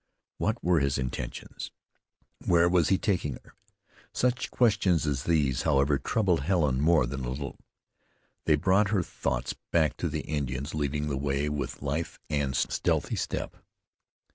What were his intentions? Where was he taking her? Such questions as these, however, troubled Helen more than a little. They brought her thoughts back to the Indians leading the way with lithe and stealthy step.